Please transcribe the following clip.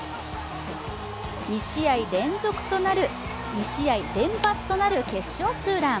２試合連発となる決勝ツーラン。